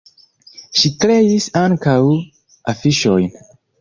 Ŝi kreis ankaŭ afiŝojn.